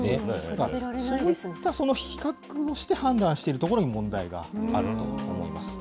そういった比較をして判断しているところに問題があると思います。